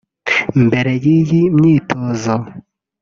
Mbere y’iyi myitozo